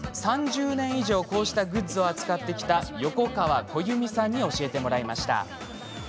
３０年以上、こうしたグッズを扱ってきた横川鼓弓さんに教えてもらいました。